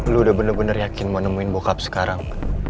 lu udah bener bener yakin mau nemuin bokap sekarang